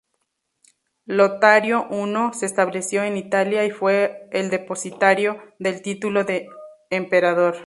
Lotario I se estableció en Italia y fue el depositario del título de emperador.